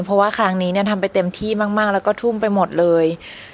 เพราะว่าครั้งนี้เนี่ยทำไปเต็มที่มากแล้วก็ทุ่มไปหมดเลย